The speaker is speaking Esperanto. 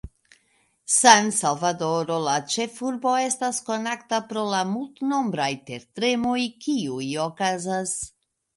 San-Salvadoro, la ĉefurbo, estas konata pro la multnombraj tertremoj kiuj okazas.